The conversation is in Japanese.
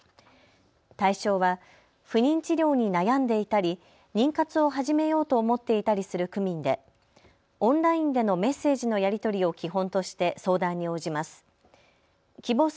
対象は不妊治療に悩んでいたり妊活を始めようと思っていたりする区民でオンラインでのメッセージのやり取りを基本として相談に応じます。